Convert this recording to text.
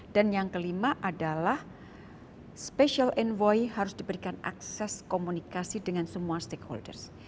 dan yang kelima adalah special envoy harus diberikan akses komunikasi dengan semua stakeholders